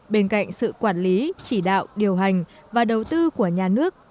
bên cạnh sự quản lý chỉ đạo điều hành và đầu tư của nhà nước